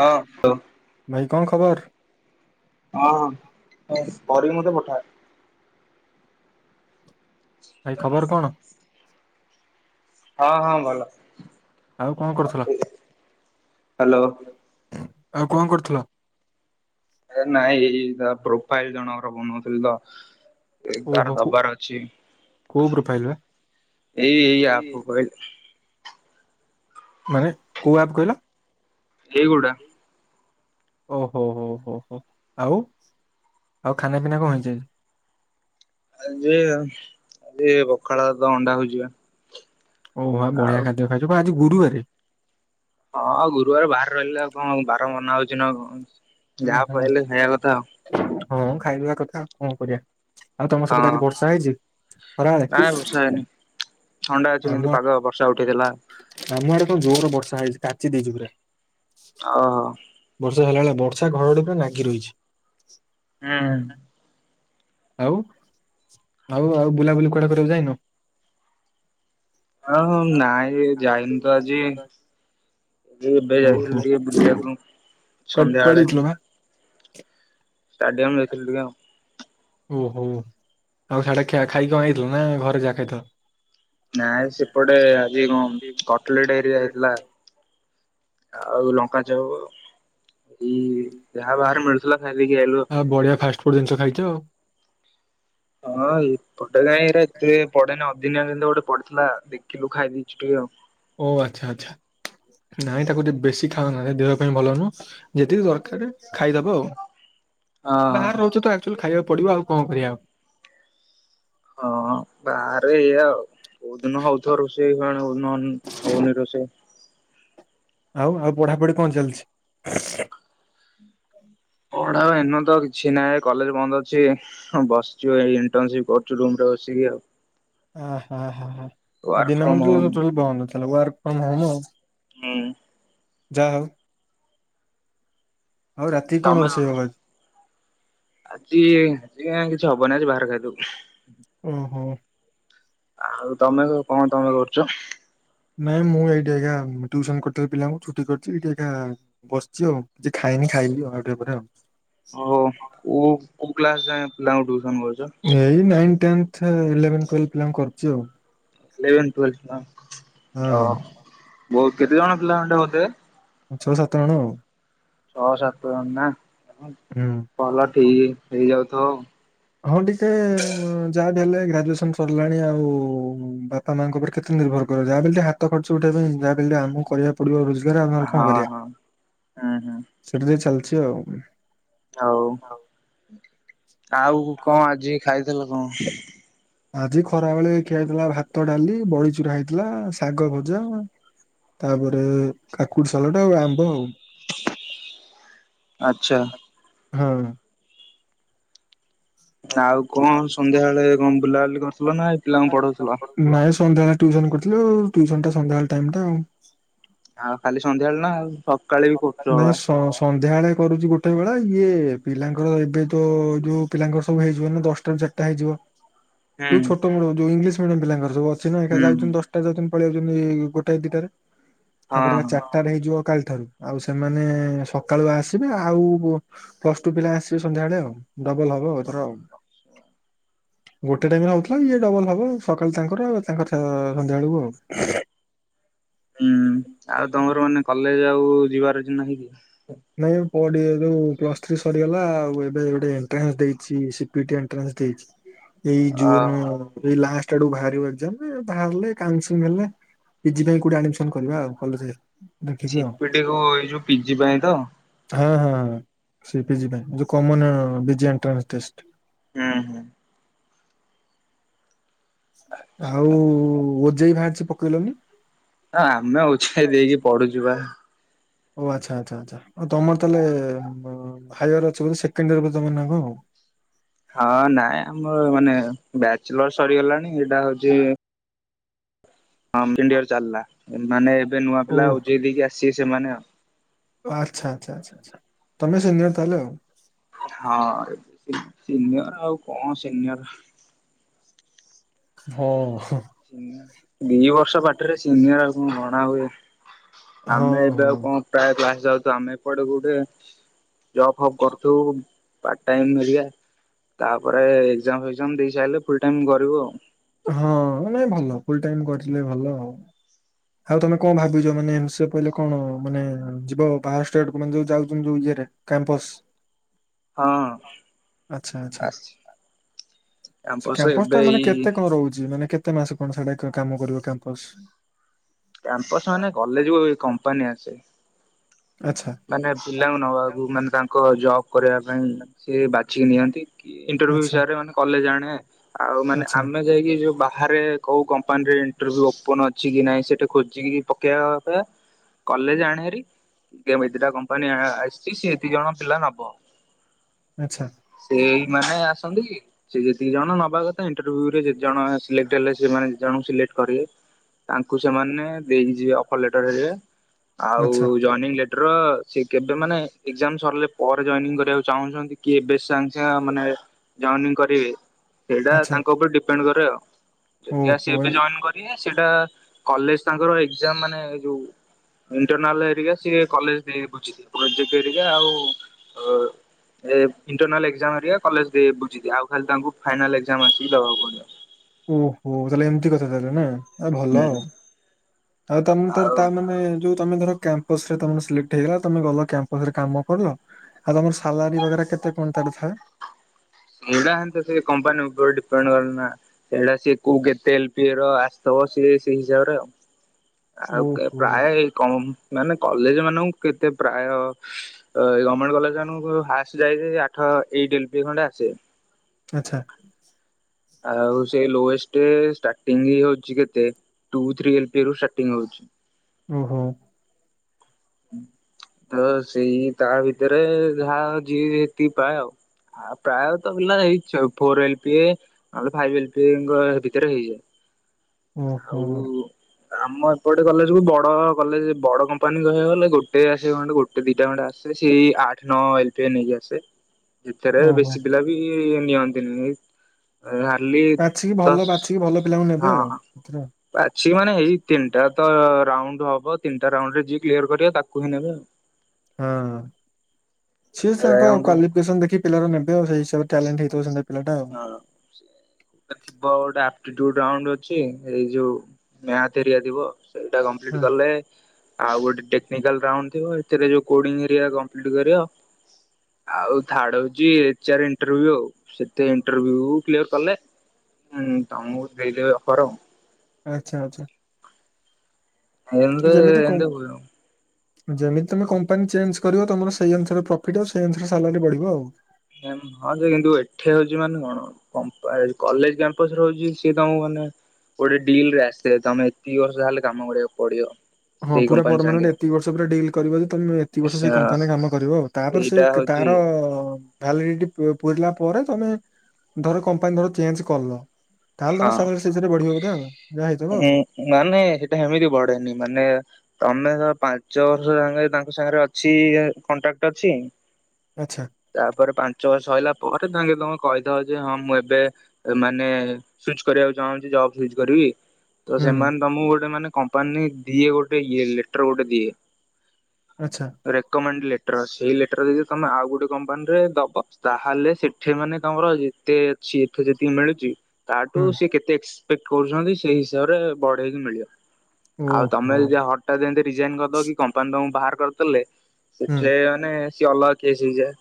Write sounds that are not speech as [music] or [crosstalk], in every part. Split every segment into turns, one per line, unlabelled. ହଁ
ଭାଇ କଣ ଖବର?
ହଁ କରିକି ମତେ ପଠାଅ।
ଭାଇ ଖବର କଣ?
ହଁ ହଁ ଭଲ।
ଆଉ କଣ କରୁଥିଲ?
ହ୍ୟାଲୋ
ଆଉ କଣ କରୁଥିଲ?
ନାଇଁ ଏଇ ତା ପ୍ରୋଫାଇଲ ଜଣଙ୍କର ବନଉଥିଲି ତ
ଓହୋ
ଏଗାର
କୋ
ଦବାର ଅଛି।
କୋଉ ପ୍ରୋଫାଇଲ ବା?
ଏଇ ଏଇ ଆପ୍ କହିଲି।
ମାନେ କୋଉ ଆପ୍ କହିଲ?
ଏଇ ଗୁଡ଼ା
ଓହୋ ହୋ ହୋ ହୋ ଆଉ ଆଉ ଖାନା ପିନା କଣ ହେଇଚି ଆଜି?
ଆଜି ଆଜି ପଖାଳ ଭାତ ଅଣ୍ଡା ଭୁଜିଆ।
ଓ ଭା ବଢିଆ ଖାଦ୍ୟ ଖାଇଚ ପା ଆଜି ଗୁରୁବାରେ?
ହଁ ଗୁରୁବାର ବାହାରେ ରହିଲେ ଆଉ କଣ ବାର ମନା ହୋଉଚି ନା କଣ।
ଉଁ
ଯାହା
ହୁଁ
ପାଇଲେ ଖାଇବା କଥା
ହଁ ଖାଇ ପିବା କଥା କଣ କରିବା। ଆଉ ତମର ସେପଟେ ଆଜି ବର୍ଷା ହେଇଚି
ହଁ ନାଇଁ ବର୍ଷା
ଖରାବେଳେ?
ହେଇନି ଥଣ୍ଡା ଅଛି କିନ୍ତୁ
ଆମ
ପାଗ ବର୍ଷା ଉଠେଇଥିଲା
ଆମ ଆଡେ କଣ ଜୋର ବର୍ଷ ସା ହେଇଚି କାଚି ଦେଇଚି ପୁରା।
ଓହୋ।
ବର୍ଷା ହେଲା ବେଳେ ବର୍ଷା ଘଡ଼ଘଡ଼ି ପୁରା ନାଗି ରହିଛି।
ହୁଁ ହୁଁ।
ଆଉ ଆଉ ଆଉ ବୁଲାବୁଲି କୁଆଡେ କରିବାକୁ ଯାଇନ?
ହଁ ହଁ ନାଇଁରେ ଯାଇନି ତ ଆଜି। ଏ ଏବେ
ଓହୋ
ଯାଇଥିଲୁ ଟିକେ ବୁଲିବାକୁ
କୁଆଡେ
ସନ୍ଧ୍ୟା
କୁଆଡେ
ବଳେ।
ଯାଇଥିଲ [inaudible]
ଷ୍ଟାଡିଅମ ଯାଇଥିଲି ଟିକେ ଆଉ।
ଓହୋ ଆଉ ସାଡେ ଖା ଖାଇକି କଣ ଆଇଥିଲ ନା ଘରେ ଯା ଖାଇଥିଲୁ।
ନାଇଁ ସେପଟେ ଆଜି କ କଟଲେଟ ହେରିକା ହେଇଥିଲା।
କଟଲେଟ୍
ଆଉ ଲଙ୍କାଚପ ଏଇ ଯାହା ବାହାରେ ମିଳୁ
ଆଉ ବଢିଆ ଫାଷ୍ଟଫୁଡ ଜିନିଷ ଖାଇଛ ଆଉ।
ହଁ ଏପଟେ କାଇଁ ଏରା ଏତେ ପଡେନ ଦିନେ ସେମିତି ଗୋଟେ ପଡିଥିଲା ଦେଖିଲୁ ଖାଇ ଦେଇଚୁ ଟିକେ ଆଉ।
ଓ ଆଚ୍ଛା ଆଚ୍ଛା ନାଇଁ ତାକୁ ଟିକେ ବେଶୀ ଖାଅନାରେ ଦେହ ପାଇଁ ଭଲ ନୁହଁ ଯେତିକି ଦରକାର ଖାଇଦବ ଆଉ।
ହଁ
ବାହାରେ ରହୁଚ ତ ଆକଚୁଆଲି ଖାଇବାକୁ ପଡିବ ଆଉ କଣ କରିବା।
ହଁ ବାହାରେ ଏୟା ଆଉ କଉଦିନ
ଆଉ।
ହଉଥିବ ରୋଷେଇ [unintelligible] ହଉନି ରୋଷେଇ।
ଆଉ ଆଉ ପଢାପଢି କଣ ଚାଲିଛି।
ପଢା ଏନତ କିଛି ନାହିଁ କଲେଜ ବନ୍ଦ ଅଛି ବସିଚୁ ଏଇ ଇଣ୍ଟରସିପ କରୁଚୁ ରୁମରେ ବସିକି ଆଉ
ଆ ହା ହା ଆଉ
ୱାର୍କ
ଦିନ
ଫ୍ରମ ହୋମ
[unintelligible] ଟୋଲ ବନ୍ଦ ନଥିଲା ୱର୍କ୍ ଫ୍ରମ୍ ହୋମ୍ ଆଉ।
ହୁଁ।
ଯା ହଉ। ଆଉ ରାତି କଣ
ତମେ
ରୋଷେଇ ହବ ଆଜି?
ଆଜି ଦେଖିଆ କିଛି ହବନି ଆଜି ବାହାରେ ଖାଇଦୋବୁ।
ଓ ହୋ।
ଆଉ ତମେ କଣ ତମେ କରୁଚ?
ନାଇଁ ମୁଁ ଏଇଠି ଆଜ୍ଞା ଟ୍ୟୁସନ କରିଥିଲି ପିଲାଙ୍କୁ ଛୁଟି କରିଚି। ଏଇଠି ଆଜ୍ଞା ବସଚି ଆଉ। କିଛି ଖାଇନି ଖାଇବି ଆଉ ଟିକେ ପରେ
ଓହୋ
ଆଉ।
କୋଉ କୋଉ କ୍ଲାସ ଯାଏ ପିଲାଙ୍କୁ ଟ୍ୟି
ଏଇ ନାଇନ୍, ଟେନଥ୍, ଇଲେଭେନ୍ ଟୁଏଲଭ୍ ପିଲାଙ୍କୁ କରୁଚି ଆଉ।
ଇଲେଭେ, ଟୁଏଲଭ୍ ପିଲା
ହଁ ହଁ।
ବୋହୁତ କେତେ ଜଣ ପିଲା ଖଣ୍ଡେ ହୋଉଥିବେ?
ଛଅ ସାତ ଜଣ ଆଉ।
ଛଅ ସାତ ଜଣ ନା ହଁ
ହୁଁ।
ଭଲ ଠିକ୍ ହେଇଯାଉଥିବ ଆଉ।
ହଁ ଟିକେ ଯାହା ଦେଲେ ଗ୍ରାଜୁଏସନ ସରିଲାଣି ଆଉ ବାପା ମାଙ୍କ ଉପରେ କେତେ ନି ର୍ଭର କରି ଯାହା ବି ହେଲେ ଟିକେ ହାତ ଖର୍ଚ୍ଚ ଉଠାଇବା ପାଇଁ ଯା ହା ହେଲେ ଆମକୁ କରିବାକୁ ପଡିବ ରୋଜଗାର। ଆମେ ଆଉ କଣ କରିବା।
ହଁ ହଁ ହୁଁ
ସେମିତି ଚାଲ୍ ଚି ଆଉ।
ଆଉ ଆଉ କଣ ଆଜି ଖାଇଥିଲ କଣ?
ଆଜି ଖରା ବେଳେ ଖିଆହେଇଥିଲା ଭାତ, ଡାଲି ବଡିଚୂୁରା ହେଇଥିଲା, ଶାଗ ଭଜା ତାପରେ, କାକୁଡି ସାଲଟ ଆଉ ଆମ୍ବ ଆଉ
ଆଚ୍ଛା
ହଁ
ଆଉ କଣ ସନ୍ଧ୍ୟାବେଳେ କଣ ବୁଲାବୁଲି କରିଥିଲ ନା ଏଇ ପିଲାଙ୍କୁ ପଢଉଥିଲ?
ନାଇଁ ସନ୍ଧ୍ୟା ଟିଉସନ କରିଥିଲୁ ଟିଉସନ ଟା ସନ୍ଧ୍ୟାବେଳ ଟାଇମ ଟା ଆଉ।
ଆଉ ଖାଲି ସନ୍ଧ୍ୟାବେଳେ ନା ସକାଳେ ବି କରୁଛ
ନାଇଁ
ବା।
ସ ସନ୍ଧ୍ୟାବେଳେ କରୁଛି ଗୋଟେ ବେଳା, ଇଏ ପିଲାଙ୍କର ଏବେ ତ ଯୋଉ ପିଲାଙ୍କର ସବୁ ହେଇଯିବ ନା ଦଶଟାରୁ ଚାରିଟା ପାଇଯିବ
ହୁଁ
ଯୋଉ ଛୋଟବେଳୁ ଯୋଉ, ଇଂଲିଶ ମିଡିଅମ୍ ପିଲାଙ୍କର ସବୁ ଅଛି ନା ଏକା
ହୁଁ
ଯାଉଛନ୍ତି
ହୁଁ।
ଦଶଟା ଯାଉଛନ୍ତି ପଳେଇ ଆଉଛନ୍ତି ଗୋଟାଏ ଦିଟାରେ, ତାଙ୍କର
ହଁ
ଏକା ଚାରିଟାରେ ହେଇଯିବ କାଲି ଠାରୁ। ଆଉ ସେମାନେ ସକାଳୁଆ ଆସିବେ। ଆଉ ପ୍ଲସ ଟୁ ପିଲା ଆସିବେ ସନ୍ଧ୍ୟାବେଳେ ଆଉ। ଡବଲ ହବ ଆଉ ଏଥର
ହଁ
ଆଉ। ଗୋଟେ ଟାଇମରେ ହଉଥିଲା। ଇଏ ଡବଲ ହବ ସକାଳେ ତାଙ୍କର ତାଙ୍କର ସନ୍ଧ୍ୟା ବେଳକୁ ଆଉ। [inaudible]
ହୁଁ ଆଉ ତମର ମାନେ କଲେଜ ଆଉ ଯିବାର ଆଜି ନାହିଁ କି?
ନାଇଁ। କୋଡ଼ିଏରୁ ପ୍ଲସ ଥ୍ରି ସରିଗଲା, ଆଉ ଏବେ ଗୋଟେ ଏନଟ୍ରାନ୍ସ ଦେଇଛି ସି ପି ଟି ଏନଟ୍ରାନ୍ସ ଦେଇଛି। ଏଇ
ଅ
ଜୁନ ଏଇ ଲାଷ୍ଟ ଆଡ଼କୁ ଭାରିବ ଏକଜାମ୍ ରେ ଭାରିଲେ କାଉନସିଲଙ୍ଗ ହେଲେ ପିଜି ପାଇଁ କୋଉଠି ଆଡମିସନ କରିବା ଆଉ କଲେଜ ଦେଖିକି
ସି
ଆଉ
ପି ଟି କୁ ଏଇ ଯୋଉ ପିଜି ପାଇଁ ତ।
ହଁ ହଁ ସିପିଜି ପାଇଁ ଯୋଉ କମନ ବିଜି ଏଣ୍ଟଟ୍ରାସ୍ ଟେଷ୍ଟ।
ହୁଁ ହୁଁ।
ଆଉ ଓ ଜେ ଇ ଭାରିଚି ପକେଇଲନି?
ଆମେ ଓ ଜେ ଇ ଦେଇକି ପଢୁଛୁ ବା।
ଓ ଆଚ୍ଛା ଆଚ୍ଛା ଆଚ୍ଛା, ଆଉ ତମର ତାହେଲେ ହାୟର ଅଛି ବୋଲି ସେକେଣ୍ଡ ଇୟର ବୋଧେ ତମର ନା କଣ ଆଉ।
ହଁ ନାଇଁ ଆମର ମାନେ ବ୍ୟାଚଲର୍ ସରିଗଲାଣି ଏଇଟା ହଉଛି [unintelligible] ୟିଅର ଚାଲିଲା ମାନେ ଏବେ ନୂଆ ପିଲା ଓ ଜେ ଇ ଦେଇକି ଆସିବେ ସେମାନେ ଆଉ।
ଆଚ୍ଛା ଆଚ୍ଛା ଆଚ୍ଛା ଆଚ୍ଛା ତମେ ସିିନିୟର ତାହେଲେ ଆଉ।
ହଁ ସିନିୟର ଆଉ କଣ ସିନିୟର।
ହଁ-ହଁ।
[unintelligible] ବର୍ଷ ପାଠରେ ସିନିୟର ଆଉ କଣ ଗଣା ହୁଏ?
ହଁ
ଆମେ ଏବେ ଆଉ କଣ ପ୍ରାୟ କ୍ଲାସ ଯାଉଛୁ ଆମେ ଏପଟେ କୋଉଠି ଜବ୍ ଫବ୍ କରୁଥୁବୁ ପାର୍ଟ ଟାଇମ୍ ମିଳିଆ, ତାପରେ ଏଗଜାମ୍ ଫେଗଜାମ୍ ଦେଇ ସାରିଲେ ଫୁଲ୍ ଟାଇମ୍ କରିବୁ ଆଉ।
ହଁ ନାଇଁ ଭଲ ଫୁଲ ଟାଇମ କରିଥିଲେ ଭଲ ଆଉ। ଆଉ ତମେ କଣ ଭାବିଛ ମାନେ ଏମ୍ ସି ଏ ପଢ଼ିଲେ, କଣ ମାନେ ଯିବ ବାହାର ଷ୍ଟେଟକୁ ମାନେ ଯଉ ଯାଉଛନ୍ତି ଯୋଉ ଗେଟ୍ କ୍ୟାମ୍ପସ୍।
ହଁ
ଆଛା ଆଛା
ଆସିଛି
ସେ କ୍ୟାମ୍ପସ ଟା
ଏବେ
ମାନେ
ଏଇ
କେ ତେ କଣ ରହୁଛି ମାନେ କେତେ ମାସ କଣ ସେଟା କାମ କରିବ କ୍ୟାମ୍ପସ?
କ୍ୟାମ୍ପସ ମାନେ କଲେଜକୁ କମ୍ପାନୀ ଆସେ।
ଆଚ୍ଛା
ମାନେ ପିଲାଙ୍କୁ
ଆଚ୍ଛା
ନବାକୁ ମାନେ ତାଙ୍କ ଜବ୍ କରିବା ପାଇଁ ସେ ବାଛିିକି ନିଅନ୍ତି। ଇଣ୍ଟରଭିୟୁ
ଆଚ୍ଛା
ବିଷୟରେ ମାନେ କଲେଜ ଆଣେ ଆଉ ମାନେ ଆ ଆମେ ଯାଇକି ଯୋଉ ବା ବାହାରେ କୋଉ କମ୍ପାନୀରେ ଇଣ୍ଟରଭ୍ୟୁ ଓପନ ଅଛି କି ନାହିଁ ସେଠି ଖୋଜିକି ପକେଇବା ଅପେକ୍ଷା କଲେଜ ଆଣେ ହାରି ମେଦିଟା କମ୍ପାନୀ ଆ ଆସିଛି, ସିଏ ଏତିକି ଜଣ ପିଲା ନବ।
ଆଚ୍ଛା
ସେଇ ମାନେ ଆ [unintelligible] ସେ ଯେତିକି ଜଣ ନବା କଥା, ଇଣ୍ଟରଭିୟୁରେ ଯେତେ ଜଣ ସିଲେକ୍ଟ ହେଲେ ସେମାନେ ଜଣକୁ ସିଲେକ୍ଟ କରିବେ। ତାଙ୍କୁ ସେମାନେ ଦେଇକି ଯିବେ ଅଫର ଲେଟର ଘରିକା, ଆଉ
ଆଚ୍ଛା
ଜଇନିଂ ଲେଟ ର ସେ କେବେ ମାନେ ଏଗଜାମ୍ ସରିଲେ ପରେ ଜଏନିଂ କରିବାକୁ ଚାହୁଁଛନ୍ତି କି ଏବେ ସାଙ୍ଗେ ସାଙ୍ଗ ମାନେ ଜଏନିଂ କରିବେ ସେଇଟା
ଆଚ୍ଛା
ତାଙ୍କ ଉପରେ ଡିପେଣ୍ଡ କରେ, ଉ ଯଦି ଆସି
ଓହୋ
ଏବେ
ଏ-
ଜଏନ୍ କରିବେ ସେଟା କଲେଜ ତାଙ୍କର ଏଗଜାମ୍ ମାନେ ଯୋଉ ଇଣ୍ଟରନାଲ୍ ହେରିକା ସିଏ କଲେଜ ନେଇ ବୁଝ ଦିଅ ପ୍ରୋଜେକ୍ଟ ହେରିକା ଆଉ ଅ ଏ ଇଣ୍ଟରନାଲ୍ ଏଗଜାମ୍ ଘରିକା କଲେଜ ଦିଏ ବୁଝଦିଏ ଆଉ ଖାଲି ତାଙ୍କୁ ଫାଇନାଲ ଏଗଜାମ୍ ଆସିକି ଦେବାକୁ ପଡିବ।
ଓହୋ ତାହେଲେ ଏମତି କଥା ତାହେଲେ ନା ଓ ଭଲ ଆଉ।
ହୁଁ
ଆଉ ତମେତ ତା ମାନେ ଯୋଉ ତମେ ଧର କ୍ୟାମ୍ପସ ରେ ତମର ସିଲେକ୍ଟ ହେଇଗଲା ତମେ ଗଲ କ୍ୟାମ୍ପସରେ କାମ କଲ ଆଉ ତମର ସାଲାରୀ ୱାଗେରା କେତେ? କଣ ତାର ଥାଏ।
ଉଡା ହେତା ସେ କମ୍ପାନୀ ଏବଂ [unintelligible] ନା ସେଇଟା ସି କୋଉ କେତେ ଏଲ ପି ଏର ଆସିଥବ ସିଏ ସେଇ ହିସାବରେ ଆଉ ଆଉ କେ
ଓହୋ
ପ୍ରାୟ କ ମାନେ କଲେଜ ମାନଙ୍କୁ କେତେ ପ୍ରାୟ ଅ ଗଭର୍ଣମେଣ୍ଟ କଲେଜ ମାନଙ୍କୁ ଆସିଯାଇ ଆଠ ଏଇଟ୍ ଏଲ୍ ପି ଖଣ୍ଡେ ଆସେ।
ଆଚ୍ଛା
ଆଉ ସେ ଲୋଏଷ୍ଟ ଷ୍ଟାଟିଙ୍ଗି ହଉଛି କେତେ ଟୁ ଥ୍ରୀ ଏଲ ପିରୁ ଷ୍ଟାଟିଂ ହେଉଛି।
ଓହୋ [inaudible]
ତ ସେଇ ତା ଭିତରେ ଯାହା ଯିଏ ଯେତିକି ପାଏ ଆଉ। ଆ ପ୍ରାୟତ ପିଲା ଏଇ ଯୋଉ ଫୋର୍ ଏଲ୍ ପି ଏ ନହେଲେ ଫାଇପ୍ ଏଲ୍ ପି ଏ ଆ ଭିତରେ ହେଇଯାଏ
ଉ ହୁ
ଆଉ ଆମ ଏପଟେ କଲେଜ କୁ ବଡ଼ ବଡ଼ କଲେଜ ବଡ କମ୍ପାନୀ କହିବାକୁ ଗୋଟେ ଆସିବ ଖଣ୍ଡେ ଗୋଟେ ଦିଟା ଖଣ୍ଡେ ଆସେ ସେଇ ଆଠ ନଅ ଏଲ୍ ପି ଏ ନେଇକି ଆସେ। ଏଥିରେ
ଓହୋ
ବେଶୀ ପିଲା ବି ନିଅନ୍ତିନି। ହାଡ୍ଲି
ବାଛିକି
ଦଶ
ଭଲ ବାଛିକି ଭଲ ପିଲାଙ୍କୁ ନେବେ
ହଁ
ଆଉ
ହଁ
ଏଥିରେ।
ବାସ୍ ସିଏ ମାନେ ଏଇ ତିନିଟା ତ ରାଉଣ୍ଡ ହବ ତିନିଟା ରାଉଣ୍ଡ ରେ ଯିଏ କ୍ଲିଅର୍ କରିବା ତାକୁ ହିଁ ନେବେ ଆଉ
ହଁ ସିଏ ତାଙ୍କ
ରାଉଣ୍ଡ ହଁ।
କ୍ୱାଲିଫିକେସନ ଦେଖି ପିଲାର ନେବେ ଆଉ ସେଇ ହିସାବରେ ଟ୍ୟାଲେଣ୍ଟ ହେଇଥିବ ସେ
ହଁ ତ ଥିବ ଗୋଟେ ଯୋଉ ରାଉଣ୍ଡ୍ ଅଛି ଏଇ ଯୋଉ ମ୍ୟାଚ୍ ଭାରିକା ଥିବ। ଗୋଟାଏ କଂପ୍ଲିଟ୍
ହଁ
କଲେ ଆଉ ଗୋଟେ ଟେକ୍ନିକାଲ ରାଉଣ୍ଡ୍ ଥିବ ଏଥିରେ ଯୋଉ କୋଡ଼ିଂ ଭାରିକା କଂପ୍ଲିଟ୍ କରିବ। ଆଉ ଥାର୍ଡ ହଉଛି ଏଚ୍ ଆର୍ ଇଣ୍ଟର୍ଭ୍ୟୁ ଆଉ। ତ ଇଣ୍ଟରଭ୍ୟୁ କ୍ଲିୟର୍ କଲେ ମ୍ ତମକୁ ଦେଇଦେବେ ଅଫର
ଆଚ୍ଛା ଆଚ୍ଛା
ଇନ୍ ଦି
ଯେମିତି
ଇନ୍ ଦି
କମ୍ପ
ବ୍ୟୁରୋ [unintelligible]
ଯେମିତି ତମେ କମ୍ପାନୀ ଚେଞ୍ଜ କରିବ ତମର ସେଇ ଅନୁସାରେ ପ୍ରଫିଟ୍ ଆଉ ସେଇ ଅନୁସାରେ ସାଲାରି ବଢିବ ଆଉ
ହଁ ଯେ କିନ୍ତୁ ଏଠି ହଉଛି ମାନେ କଣ କଲେଜ କ୍ୟାମ୍ପସରେ ହଉଛି ସିଏ ତମ ମାନେ ଗୋଟେ ଡିଲ୍ ରେ ଆସେ ତମେ ଏତିକି ବର୍ଷ ହେଲେ କାମ କରିବାକୁ ପଡିବ
ହଁ
ସେଇ
ପୁରା
କମ୍ପାନୀ
ପରମାନେଣ୍ଟ
ସାଙ୍ଗେ।
ଏତିକି ବର୍ଷ ପୁରା ଡିଲ୍ କରିବ ଯେ ତମେ ଏତିକି ବର୍ଷ ସେ କମ୍ପାନି ରେ କାମ କରିବ ତାପରେ ସେ
ଏଇଟା ହଉଛି
ତାର ଭାଲିଡି ପୁୁରିଲା ପରେ ତମେ ଧର କମ୍ପାନୀ ଧର ଚେଞ୍ଜ କରିଲ ତାହେଲେ ତମ ସାଲାରି ସେଇ ହିସାବରେ ବଢିବ ବୋଧେ ଆଉ ଯାହାହେଇଛି
ଉୁଁ ନା ନାଇଁ ସେଇଟା ସେମିତି ବଢେନି। ମାନେ ତମେ ତ ପାଞ୍ଚ ବର୍ଷ ସାଙ୍ଗ ତାଙ୍କ ସାଙ୍ଗରେ ଅଛି କଣ୍ଟ୍ରାକ୍ଟ ଅଛି
ଆଚ୍ଛା
ତାପରେ ପାଞ୍ଚ ବର୍ଷ ସରିଲା ପରେ ତାହେଲେ ତମ କହିଥାଉ ଯେ ହଁ ମୁଁ ଏବେ ମାନେ ସୁଇଚ୍ କରିବାକୁ ଚାହୁଁଛି ଜବ ସୁଇଚ୍ କରିବି ତ
ହୁଁ
ସେମାନେ ତମକୁ ଗୋଟେ ମାନେ କମ୍ପାନୀ ଦିଏ, ଗୋଟେ ଇଏ ଲେଟର ଗୋଟେ ଦିଏ
ଆଚ୍ଛା
ରେକମେଣ୍ଡ ଲେଟ ଟର୍ ସେଇ ଲେଟର ଯଦି ତମେ ଆଉ ଗୋଟେ କମ୍ପାନୀରେ ଦବ ତାହେଲେ ସେଠି ମାନେ ତମର ଯେତେ ସିଏତ ଯେତିକି ମିଳୁଛି ତାଠୁ
ହୁଁ।
ସିଏ କେତେ ଏକ୍ସପେକ୍ଟ କରୁଛନ୍ତି, ସେଇ ହିସାବରେ ବଢେଇକି ମିଳି ଆଉ ତମେ ଯ ହଟ ଟା ଯେମତି ରିଜାଇନ କରିଦବ କି କମ୍ପାନୀକୁ ବାହାର କରିଦେଲେ। ସେଠେ ମାନେ ସିଏ ଅଲଗା କେସ ହେଇଯାଏ।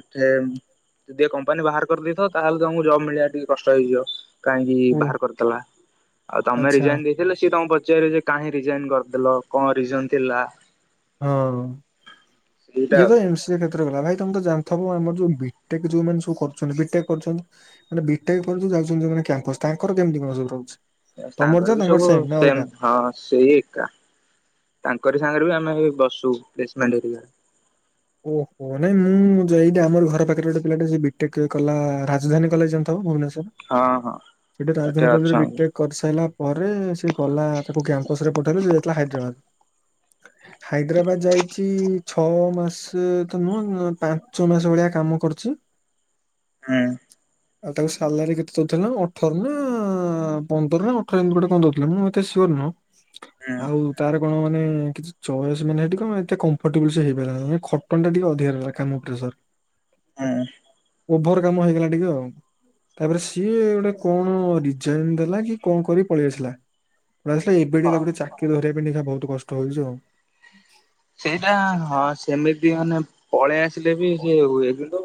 ସେଠି ଯଦି ଏ କମ୍ପାନୀ ବାହାର କରିଦେଇଥିବ ତାହେଲେ ତମକୁ ଜବ୍ ମିଳିବା ଟିକେ କଷ୍ଟ ହେଇଯିବ। କାହିଁକି ବାହାର କରିଥିଲା ଆଉ ତମେ ରିଜାଇନ ଦେଇଥିଲେ ସିଏ ତମ। ପଚାରେ ଯେ କାହିଁ ରିଜାଇନ କରିଦେଲ କଣ ରିଜନ ଥିଲା।
ହଁ
ସେଇଟା
ଇଏ ତ
ଆଉ।
ଏମ୍ ସି କ୍ଷେତ୍ରରେ ଗଲା ଭାଇ ତମେ ତ ଜା ଥବ ଆମର ଯୋଉ ବିଟେକ ଯୋଉ ମାନେ ସବୁ କରୁଛନ୍ତି, ବି ଟେକ ମାନେ ବିଟେକ ପରେ ଯୋଉ ଯାଉଛନ୍ତି କ୍ୟାମ୍ପସ ତାଙ୍କର କେମିତି କଣ ସବଧ ରହୁଛି। ତମର
ସାଙ୍କର
ଯା
ବି
ତାଙ୍କର
ସବୁ
ସେମ୍ ନା
ସେ
ଅଲଗା?
ହଁ ସେଇ ଏକା। କରି ସାଙ୍ଗରେ ବି ଆମେ ବସ ପ୍ଲେସମେଣ୍ଟ।
ଓହୋ ନାଇଁ ମୁଁ ଯଠି ଆମର ଘର ପାଖରେ ଗୋଟେ ପିଲାଟେ ବିଟେକ କଲା ରାଜଧାନୀ କଲେ ଜାଥ ଭୁବନେସ୍ଵର।
ହଁ ହଁ
ସେଠି
ଏଠି
ରାଜଧାନୀ କରେ
ଅଛନ୍ତି
ବିଟେକ୍ କରିସାରିଲା। ପରେ ସେ ଗଲା ତାକୁ କ୍ୟାମ୍ପସ ରେ ପଠେଇଲେ ସେ ଯାଇଥିଲା ହାଇଦ୍ରାବାଦ। ହାଇଦ୍ରାବାଦ ଯାଇଛି, ଛଅ ମାସ। ତ ନୁହଁ ପାଞ୍ଚ ଛ ମାସ ଭଳିଆ କାମ କରୁଛି।
ହୁଁ।
ଆଉ ତାକୁ ସାଲାରୀ କେତେ ଦଉଥିଲା ଅଠର ନା ପନ୍ଦର ନା ଅଠର ଏମିତି ଗୋଟେ କଣ ଦଉଥିଲ ମୁଁ ଏତେ ସିଓର ନୁହଁ।
ହୁଁ
ଆଉ ତାର ଣ ମାନେ କିଛି ଚଏସ୍ ମାନେଇି କଣ ଏ କମ୍ଟେବ ହେଇପାରନ୍ତି, ଖ ଖଟନ ଦିକ ଅଧାରରେ କାମ ପ୍ରେସର୍
ହଁ।
ଓଭର କାମ ହେଇଗଲା ଟିକେ ଆଉ। ତାପରେ ସିଏ ଗୋଟେ କଣ ଡିଜାଇନ ଦେଲା କି କଣ କରି ପଳେଇ ଆସିଲା। ଆସିଲା ଏବେଠ
ହଁ।
ତାକୁ ଗୋଟେ ଚାକିରି ଧରିବା ପାଇଁଖା ବହୁତ କଷ୍ଟ ହଉଛି ଆଉ।
ସେଇଟା ହଁ ସେମିତି ମାନେ ପଳେଇ ଆସିଲେ ବି ସେ ହୁଏ, କିନ୍ତୁ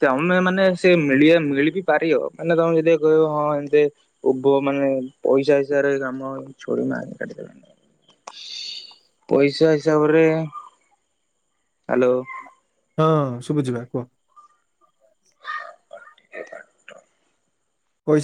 ତ ଆମେ ମାନେ ସେ ମିଳିଆ ମିଳିପି ପାରିବ ମାନେ ତମେ ଯଦି କହିବ ହଁ ଏମତି ଉଭ ମାନେ ପଇସା ହିସାରେ କାମ ଛୁଡ଼ି ମ ଆ କାଟି ଦେଲା। ପଇସା ହିସାବରେ ହ୍ୟାଲୋ।
ହଁ ଶୁଭୁ ଯିବା କୁହ।
ଏ ବା।